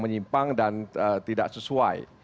menyimpang dan tidak sesuai